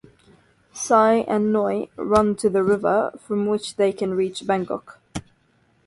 Sai and Noi run to the river from which they can reach Bangkok.